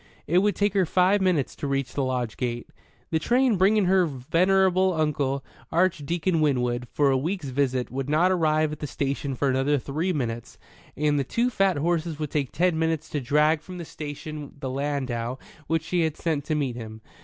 It would take her five minutes to reach the lodge gate. The train bringing her venerable uncle, Archdeacon Winwood, for a week's visit would not arrive at the station for another three minutes, and the two fat horses would take ten minutes to drag from the station the landau which she had sent to meet him.